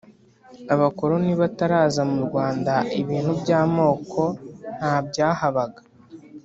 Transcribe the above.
Abakoloni bataraza murwanda ibintu byamoko nta byahabaga